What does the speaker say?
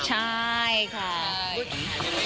ใช่ค่ะ